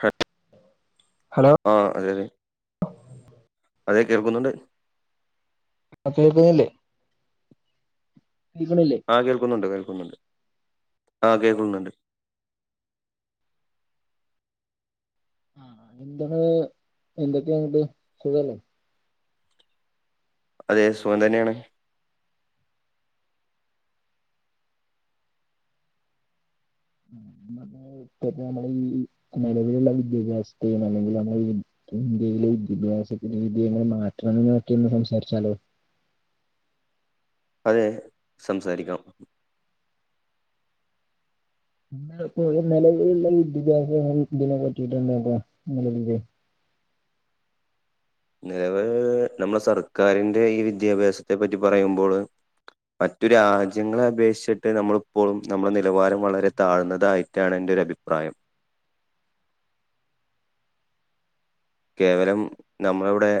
ഹ hello ആഹ് അതെ അതെ അതെ കേൾക്കുന്നുണ്ട് ആഹ് കേക്കുന്നില്ലേ കേക്ക്ണില്ലേ ആഹ് കേൾക്കുന്നുണ്ട് കേൾക്കുന്നുണ്ട് ആഹ് കേൾക്കുന്നുണ്ട് എന്തൊക്കേണ് എന്തൊക്കെങ്ങട്ട് സുഖല്ലേ അതെ സുഖം തന്നെയാണ് ഇപ്പ നമ്മള ഈ നിലവിലുള്ള വിദ്യാഭ്യാസത്തെയും അല്ലെങ്കില് നമ്മളെ ഈ ഇന്ത്യയിലെ വിദ്യാഭ്യാസത്തിന്റെ രീതി എങ്ങനെ മാറ്റണം എന്നൊക്കെ ഒന്ന് സംസാരിച്ചാലോ അതെ സംസാരിക്കാം ഇപ്പോ നിലവിലുള്ള വിദ്യാഭ്യാസ ഇതിനെ പറ്റിയിട്ട് എന്താ ങ്ങളെ ഇതില് നലവില് നമ്മള സർക്കാരിന്റെ ഈ വിദ്യാഭ്യാസത്തെ പറ്റി പറയുമ്പോള് മറ്റു രാജ്യങ്ങളെ അപേക്ഷിച്ചിട്ട് നമ്മളിപ്പോഴും നമ്മളുടെ നിലവാരം വളരെ താഴ്ന്നതായി ട്ടാണ് എന്റെ ഒരഭിപ്രായം കേവലം നമ്മളിവിടെ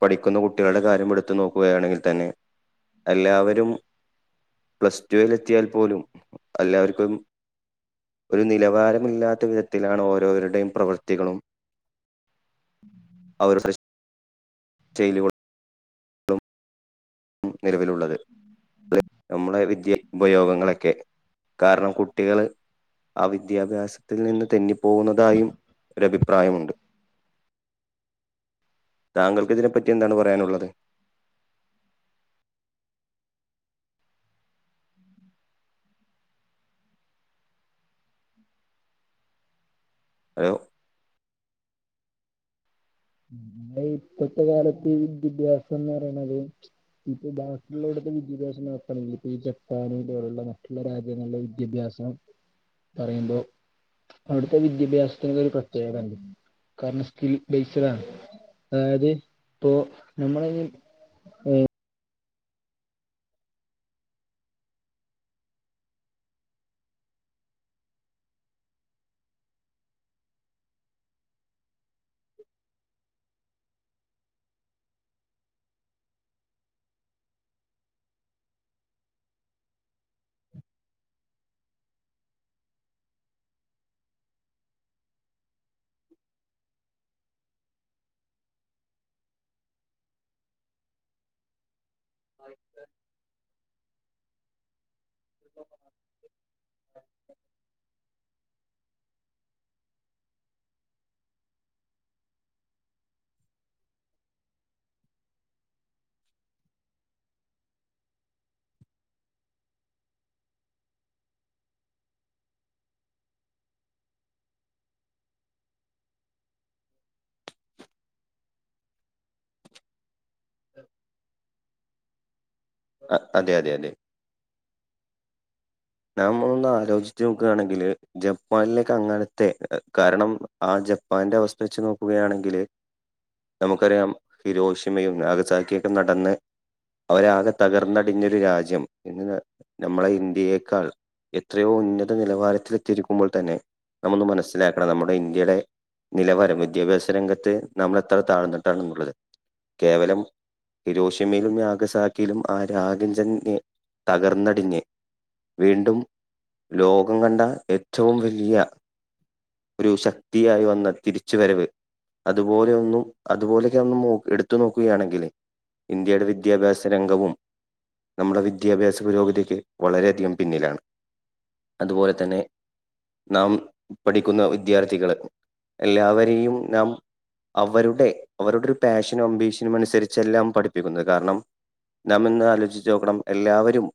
പഠിക്കുന്ന കുട്ടികളുടെ കാര്യം എടുത്തു നോക്കുകയാണെങ്കിൽ തന്നെ എല്ലാവരും പ്ലസ് ടുവിൽ എത്തിയാൽ പോലും എല്ലാവർക്കും ഒരു നിലവാരമില്ലാത്ത വിധത്തിലാണ് ഓരോരുടെയും പ്രവൃത്തികളും അവർ ഫ്രഷ് ശൈലി കൊ നിലവിലുള്ളത്. നമ്മളെ വിദ്യ ഉപയോഗങ്ങളൊക്കെ, കാരണം കുട്ടികള് ആഹ് വിദ്യാഭ്യാസത്തിൽ നിന്ന് തെന്നി പോകുന്നതായും ഒരു അഭിപ്രായമുണ്ട്. ഉം താങ്കൾക്ക് ഇതിനെപ്പറ്റി എന്താണ് പറയാനുള്ളത്. ഹലോ ഇപ്പത്തെ കാലത്ത് വിദ്യാഭ്യാസംന്ന് പറയണത്. ഇപ്പൊ ബാക്കിയുള്ള ഇവിടുത്തെ വിദ്യാഭ്യാസം. നോക്കുകയാണെങ്കിൽ ഈ ജപ്പാൻ പോലെയുള്ള മറ്റുള്ള രാജ്യങ്ങളില വിദ്യാഭ്യാസം. പറയുമ്പോ അവിടുത്തെ വിദ്യാഭ്യാസത്തിന് ഒരു പ്രത്യേക ഇണ്ട് കാരണം സ്കിൽ ബ ചില അതായത് ഇപ്പോ നമ്മള ഈ അയ്ക്കെ [unintelligible] അഹ് അതെ അതെ അതെ നമ്മള് ഒന്ന് ആലോചിച്ച് നോക്കുകയാണെങ്കില് ജപ്പാനിലേക്ക് അങ്ങനത്തെ കാരണം ആഹ് ജപ്പാാനിന്റെ അവസ്ഥ വെച്ച് നോക്കുകയാണെങ്കില്. നമുക്കറിയാം ഹിരോഷിമയും നാഗസാക്കിയൊക്കെ നടന്ന് അവരാകെ തകർന്നടിഞ്ഞൊരു രാജ്യം ഇന്ന് നമ്മളെ ഇന്ത്യയെ ക്കാൾ എത്രയോ ഉന്നത നിലവാരത്തിൽ എത്തിയിരിക്കുമ്പോൾ തന്നെ നമ്മൊന്ന് മനസ്സിലാക്കണം നമ്മുടെ ഇന്ത്യടെ നിലവാരം വിദ്യാഭ്യാസ രംഗത്ത് നമ്മളെത്ര താഴ്ന്നിട്ടാണ്ള്ളത് കേവലം ഹിരോഷമ്മയിലും നാഗസാക്കിയിലും ആഹ് രാജ്യം തന്നെ തകർന്നടിഞ്ഞ് വീണ്ടും ലോകം കണ്ട ഏറ്റവും വലിയ ഒരു ശക്തിയായി വന്ന തിരിച്ച് വരവ്. അതുപോലെ ഒന്നും, അതുപോലെയൊന്നും എടുത്തു നോക്കുകയാണെങ്കിൽ ഇന്ത്യയുടെ വിദ്യാഭ്യാസ രംഗവും. നമ്മളുടെ വിദ്യാഭ്യാസ പുരോഗതിക്ക് വളരെയധികം പിന്നിലാണ്. അതുപോലെ തന്നെ നാം പഠിക്കുന്ന വിദ്യാർത്ഥികള് എല്ലാവരെയും നാം. അവരുടെ അവരുടെ ഒരു പാഷനും അംബീഷനും അനുസരിച്ചെല്ലാം പഠിപ്പിക്കുന്നത് കാരണം. നാം ഒന്ന് ആലോചിച്ച് നോക്കണം എല്ലാവരും.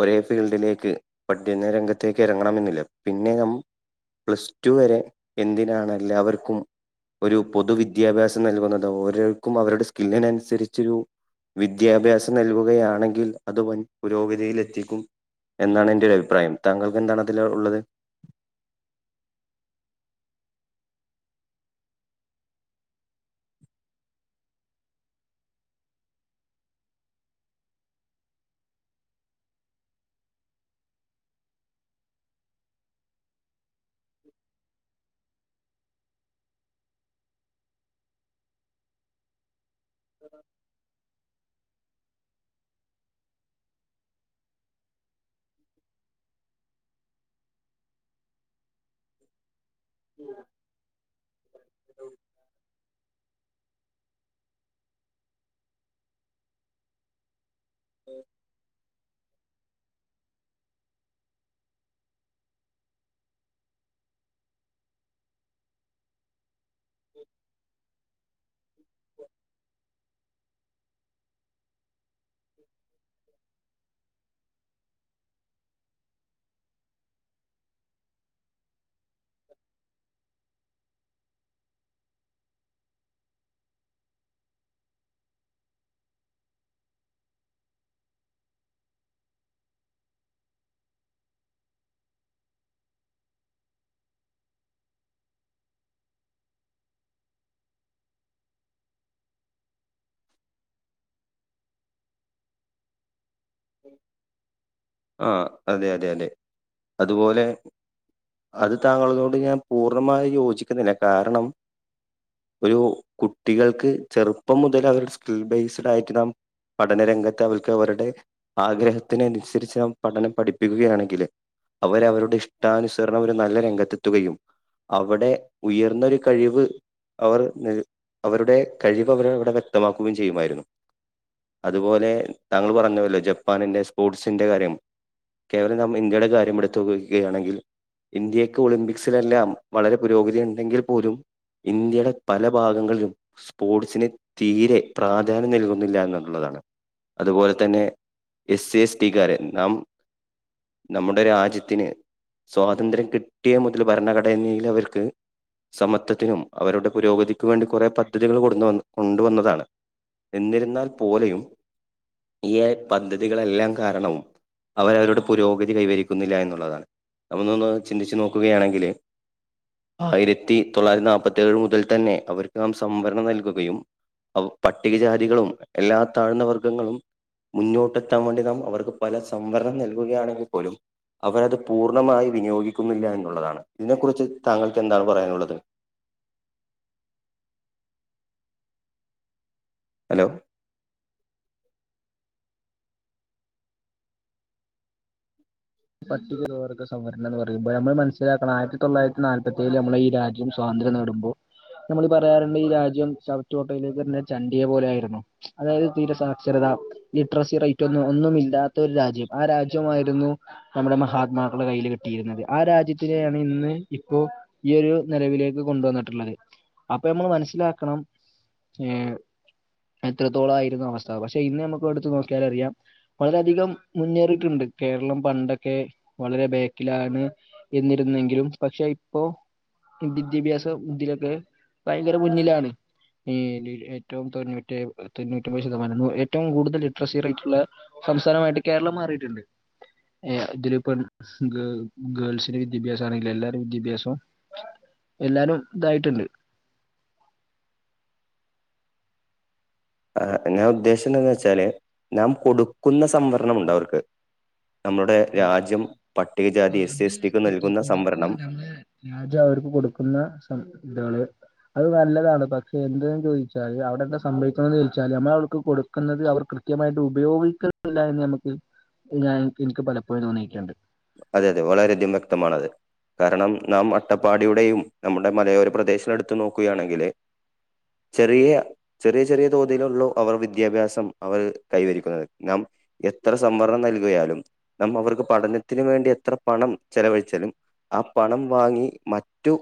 ഒരേ ഫീൽഡിലേക്ക് പഠ്യന്ന രംഗത്തേക്ക് എറങ്ങണമെന്നില്ല പിന്നെ ഞം പ്ലസ് ടു വരെ എന്തിനാണ് എല്ലാവർക്കും. ഒരു പൊതുവിദ്യാഭ്യാസം നൽകുന്നത്, ഓരോർക്കും അവരുടെ സ്കില്ലിനനുസരിച്ചൊരു വിദ്യാഭ്യാസം നൽകുകയാണെങ്കിൽ അത് വൻ പുരോഗതിയിൽ എത്തിക്കും. എന്നാണ് എന്റെ ഒരു അഭിപ്രായം. താങ്കൾക്ക് എന്താണ് അതിൽ ഉള്ളത്. [inaudible] [inaudible] [unintelligible] [inaudible] [inaudible] ഉം ആഹ് അതെയതെയതെ അതുപോലെ അത് താങ്കളതോണ്ട് ഞാൻ പൂർണ്ണമായി യോജിക്കുന്നില്ല കാരണം. ഒരു കുട്ടികൾക്ക് ചെറുപ്പം മുതൽ അവരു സ്കിൽ ബേസ്ഡ് ആയിട്ട് നാം പഠനരംഗത്ത് അവർക്ക് അവരുടെ ആഗ്രഹത്തിനനുസരി ച്ച് പഠനം പഠിപ്പിക്കുകയാണെങ്കില് അവര് അവരുടെ ഇഷ്ടാനുസരണം ഒരു നല്ല രംഗത്തെത്തുകയും. അവിടെ ഉയർന്നൊരു കഴിവ് അവർ ന് അവരുടെ കഴിവ് അവരെ അവിടെ വ്യക്തമാക്കുകയും ചെയ്യുമായിരുന്നു. അതുപോലെ താങ്കൾ പറഞ്ഞുവല്ലോ ജപ്പാനിൻ്റെ സ്പോർട്സിറെ കാര്യം കേവലം നാം ഇന്ത്യയുടെ കാര്യം എടുത്തോക്കുകയാണെങ്കിൽ ഇന്ത്യക്ക് ഒളിമ്പിക്സിലെല്ലാം വളരെ പുരോഗതി ഉണ്ടെങ്കിൽ പോലും ഇന്ത്യയുടെ പല ഭാഗങ്ങളിലും സ്പോർട്സിന് തീരെ പ്രാധാന്യം നൽകുന്നില്ല എന്നുള്ളതാണ് അതുപോലെ തന്നെ എസ് സി എസ് റ്റി ക്കാരൻ നാം നമ്മുടെ രാജ്യത്തിന് സ്വാതന്ത്ര്യം കിട്ടിയ മുതൽ ഭരണഘടനയിൽ അവർക്ക് സമത്വത്തിനും അവരുടെ പുരോഗതിക്കും വേണ്ടി കുറെ പദ്ധതികൾ കൊട്ന്ന് കൊണ്ടുവന്നതാണ് എന്നിരുന്നാൽ പോലെയും ഈ പദ്ധതികളെല്ലാം കാരണവും അവരവരുടെ പുരോഗതി കൈവരിക്കുന്നില്ല എന്നുള്ളതാണ് നമ്മന്നൊന്ന് ചിന്തിച്ച് നോക്കുകയാണെങ്കില് ആയിരത്തി തൊള്ളായിരത്തി നാല്പ്പത്തി ഏഴ് മുതൽ തന്നെ അവർക്ക് നാം സംവരണം നൽകുകയും പട്ടികജാതികളും എല്ലാ താഴ്ന്ന വർഗ്ഗങ്ങളും മുന്നോട്ടെത്താൻ വേണ്ടി നാം അവർക്ക് പല സംവരണം നൽകുകയാണെങ്കിൽ പോലും അവരത് പൂർണ്ണമായി വിനിയോഗിക്കുന്നില്ല എന്നുള്ളതാണ് ഇതിനെക്കുറിച്ച് താങ്കൾക്ക് എന്താണ് പറയാനുള്ളത് ഹലോ പറ്റുവർഗ സംവരണം എന്ന് പറയുമ്പോ നമ്മൾ മനസ്സിലാക്കണം ആയിരത്തി തൊള്ളായിരത്തി നാല്പ്പത്തേഴിൽ നമ്മള ഈ രാ ജ്യം സ്വാന്ത്രം നേടുമ്പോ നമ്മൾ പറയാറ്ണ്ട് ഈ രാജ്യം ചവറ്റ് കൊട്ടയിലേക്ക്ട്ണ ചണ്ടിയെ പോലെ ആയിരിന്നു അതായത് തീരസാക്ഷരത ലിറ്ററസി റേറ്റൊന്നും ഒന്നുമില്ലാത്ത ഒരു രാജ്യം ആ രാജ്യമായിരുന്നു നമ്മുടെ മഹാത്മാക്കളുടെ കയ്യിൽ കിട്ടിയിരുന്നത് ആ രാജ്യത്തിനെയാണ് ഇന്ന് ഇപ്പോ ഈ ഒരു നിലവിലേക്ക് കൊണ്ടുവന്ന്ട്ടുള്ളത് അപ്പൊ ഞമ്മള് മനസ്സിലാക്കണം ഏ എത്രത്തോളായിരുന്നു അവസ്ഥ പക്ഷെ ഇന്ന് നമ്മക്ക് അടുത്ത് നോക്ക്യാലറിയാം വളരെയധികം മുന്നേറിട്ട്ണ്ട് കേരളം പണ്ടൊക്കെ വളരെ ബേക്കിലാണ് എന്നിരുന്നെങ്കിലും പക്ഷെ ഇപ്പോ വിദ്യാഭ്യാസം ഇതിലൊക്കെ ഭയങ്കര മുന്നിലാണ് ഈ ഏറ്റവും തൊണ്ണൂറ്റേയ് തൊണ്ണൂറ്റിമ്പത് ശതമാനം ഏറ്റവും കൂടുതൽ ലിറ്ററസി റേറ്റ്ള്ളെ സംസ്ഥാനമായിട്ട് കേരളം മാറിട്ട്ണ്ട് ഏ ഇതില് പ്പം ഗേ ഗേൾസിന്റെ വിദ്യാഭ്യാസാണെങ്കിലും എല്ലാരെ വിദ്യാഭ്യാസും എല്ലാരും തായിട്ട്ണ്ട് ആ ഞാ ഉദ്ദേശംന്ന് വെച്ചാല് നാം കൊടുക്കുന്ന സംവരണം ഉണ്ട് അവർക്ക് നമ്മുടെ രാജ്യം ആ പട്ടികജാതി എസ് എ എസ് ടിക്ക് നൽകുന്ന സംവരണം രാജ്യം അവർക്ക് കൊടുക്കുന്ന സം താള് അത് നല്ലതാണ് പക്ഷെ എന്തെന്ന് ചോയ്ച്ചാല് അവിടെന്തെ സംഭവിക്കണംന്ന് ചോയ്ച്ചാല് ഞമ്മള് അവർക്ക് കൊടു ക്കുന്നത് അവർ കൃത്യമായിട്ട് ഉപയോഗിക്കുന്നില്ല ന്ന് നമക്ക് ഞാൻ ഇൻക്ക് പലപ്പഴും തോന്നിട്ട്ണ്ട് അതെ അതെ വളരെയധികം വ്യക്തമാണത് കാരണം നാം അട്ടപ്പാടിയുടെയും നമ്മുടെ മലയോര പ്രദേശും എടുത്തു നോക്കുകയാണെങ്കില് ചെറിയ ചെറിയ ചെറിയ തോതിലൊള്ളു അവർ വിദ്യാഭ്യാസം അവർ കൈവരിക്കുന്നത് നാം എത്ര സംവരണം നൽകിയാലും നമ്മ അവർക്ക് പഠനത്തിന് വേണ്ടി എത്ര പണം ചെലവഴിച്ചാലും ആ പണം വാങ്ങി മറ്റു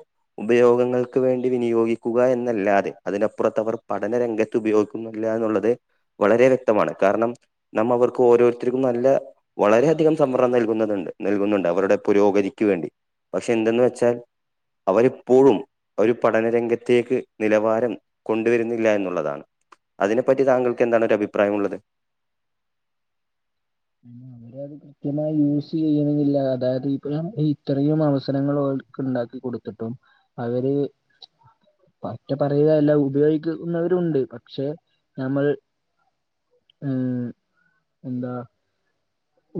ഉപയോഗങ്ങൾക്ക് വേണ്ടി വിനിയോഗിക്കുക എന്നല്ലാതെ അതിനപ്പുറത്ത് അവർ പഠനരംഗ ത്ത് ഉപയോഗിക്കുന്നില്ല എന്നുള്ളത് വളരെ വ്യക്തമാണ് കാരണം നാം അവർക്ക് ഓരോരുത്തർക്കും നല്ല വളരെയധികം സംവരണം നൽകുന്നതു നൽകുന്നുണ്ട് അവരുടെ പുരോഗതിക്ക് വേണ്ടി പക്ഷെ എന്തെന്ന് വെച്ചാൽ അവരിപ്പോഴും ഒരു പഠനരംഗത്തേക്ക് നിലവാരം കൊണ്ടുവരുന്നില്ല എന്നുള്ളതാണ് അതിനെപ്പറ്റി താങ്കൾക്ക് എന്താണൊരഭിപ്രായമുള്ളത് [unintelligible] കൃത്യമായി യൂസെയ്യണം ന്നില്ല അതായത് ഇപ്പ നാം ഇത്രയും അവസരങ്ങൾ ഓൽക്ക് ഇണ്ടാക്കി കൊടുത്ത്ട്ടും അവര് പറ്റ പറയുകല്ല ഉപയോഗിക്കുന്നവരുണ്ട് പക്ഷെ ഞമ്മൾ ഏ എന്താ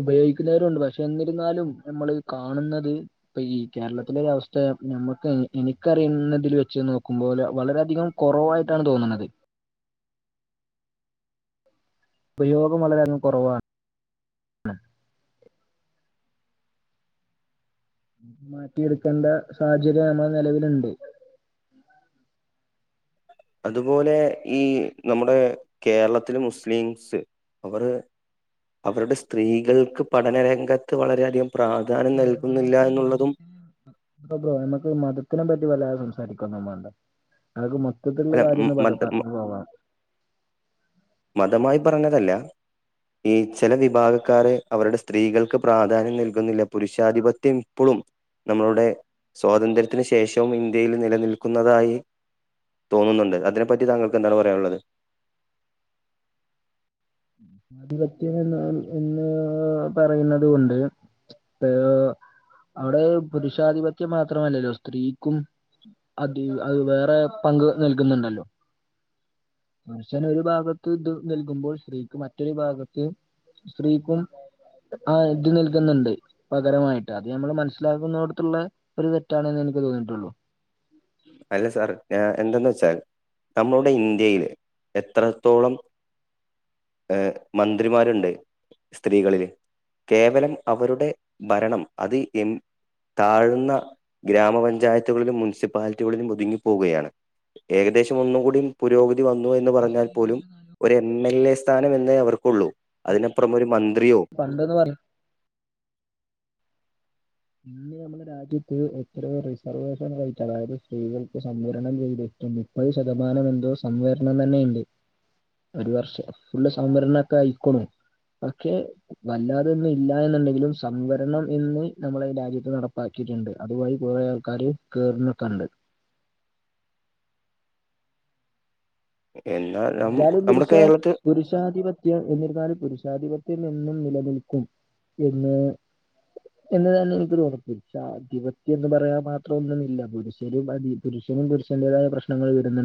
ഉപയോഗിക്കുന്നവരുണ്ട് പക്ഷെ എന്നിരുന്നാലും നമ്മളീ കാണുന്നത് ഇപ്പൊ ഈ കേരളത്തിലൊരവസ്ഥ ഞമ്മക്ക് എനിക്കറിയുന്നതിൽ വെച്ച് നോക്കുമ്പോല് വളരെയധികം കൊറവായിട്ടാണ് തോന്നുന്നത് ഉപയോഗം വളരെയധികം കൊറവാണ് മാറ്റിയെടുക്കണ്ടെ സാഹചര്യം നമ്മളെ നെലവില്ണ്ട് അതുപോലെ ഈ നമ്മുടെ കേരളത്തിലെ മുസ്ലിംസ് അവര് അവരുടെ സ്ത്രീകൾക്ക് പഠനരംഗത്ത് വളരെയധികം പ്രാധാ ഏഹ് ബ്രോ ഞമ്മക്ക് മതത്തിനെ പറ്റി എ ബ്രോ ഞമ്മക്ക് മതത്തിനെ പറ്റി വെല്ലാതെ സംസാരിക്കൊന്നും വാണ്ട അതൊക്കെ മ ത്ത്ട്ട്ള്ളെ അല്ല കാര്യന്നെ പർ മത പർഞ് പോവാ മതമായി പറഞ്ഞതല്ല ഈ ചെല വിഭാഗക്കാര്- അവരുടെ സ്ത്രീകൾക്ക്- പ്രാധാന്യം നൽകുന്നില്ല. പുരുഷാധിപത്യം ഇപ്പളും- നമ്മളുടെ സ്വാതന്ത്ര്യത്തിന്- ശേഷവും ഇന്ത്യയില്- നിലനിൽക്കുന്നതായി- തോന്നുന്നുണ്ട് അതിനെപ്പറ്റി- താങ്കൾക്ക് എന്താണ്- പറയാനുള്ളത്? ആധിപത്യം എന്നാൽ, എന്ന് പറയുന്നത് കൊണ്ട്, അവിടെ പുരുഷാധിപത്യം- മാത്രമല്ലല്ലോ, സ്ത്രീക്കും- അത്, അത് വേറെ പങ്ക്- നൽകുന്നുണ്ടല്ലോ. പുരുഷൻ ഒരു ഭാഗത്ത് ഇത്- നൽകുമ്പോൾ സ്ത്രീക്ക് മറ്റൊരു- ഭാഗത്ത്- സ്ത്രീക്കും ആഹ് ഇത്- നൽക്കുന്നുണ്ട്. പകരമായിട്ട് അത് നമ്മള്- മനസ്സിലാക്കുന്നൊടത്തുള്ള ഒരു- തെറ്റാണെന്ന് എനിക്ക് തോന്നിയിട്ടുള്ളു. അല്ല സാർ, ഞാ എന്തന്ന് വെച്ചാൽ- നമ്മളുടെ ഇന്ത്യയില് എത്രത്തോളം- ഏഹ് മന്ത്രിമാരുണ്ട് സ്ത്രീകളില്. കേവലം അവരുടെ ഭരണം അത് എ- താഴ്ന്ന- ഗ്രാമപഞ്ചായത്തുകളിലും, മുനിസിപ്പാലിറ്റി- റ്റികളിലും ഒതുങ്ങിപ്പോവുകയാണ്. ഏകദേശം ഒന്നും കൂടി പുരോഗതി- വന്നു എന്ന് പറഞ്ഞാൽ പോലും- ഒരു എം. എൽ. എ. സ്ഥാനം- എന്നേ അവർക്കൊള്ളൂ, അതിനപ്പുറം ഒരു മന്ത്രിയോ- പണ്ടെന്ന് പറഞ്ഞ- ഇന്ന് നമ്മുടെ രാജ്യത്ത്- എത്രയോ റിസർവേഷൻ സൈറ്റ്, അതായത് സ്ത്രീകൾക്ക് സംവരണം ചെയ്ത്- മുപ്പത് ശതമാനം എന്തോ- സംവരണം തന്നെയുണ്ട്. ഒരു വർഷം ഫുള്ള്- സംവരണൊക്കെ അയിക്ണു. പക്ഷെ വല്ലാതൊന്നും ഇല്ല- എന്നുണ്ടെങ്കിലും സംവരണം എന്ന്- നമ്മളെ ഈ രാജ്യത്ത്- നടപ്പാക്കിട്ട്ണ്ട്. അതുവഴി- കൊറേ ആൾക്കാര് കേറണൊക്കണ്ട്. എന്നാ- എന്നാലും പുരുഷ, പുരുഷാധിപത്യ- എന്നിരുന്നാലും, പുരുഷാധിപത്യം എന്നും- നിലനിൽക്കും എന്ന്- എന്ന് തന്നെ എനിക്ക് തോന്നുന്നു. പുരുക്ഷാധിപത്യം എന്ന്- പറയാൻ മാത്രം ഒന്നുമില്ല. പുരുഷനും അതി- പുരുഷനും, പുരുഷന്റെതായ- പ്രശ്നങ്ങൾ വരുന്നുണ്ട്.